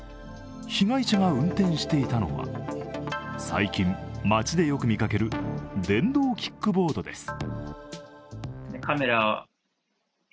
被害者が運転していたのは最近、街でよく見かける電動キックボードです。